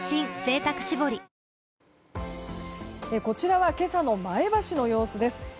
こちらは今朝の前橋の様子です。